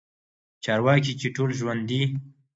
چارواکي چې ټول ژوندي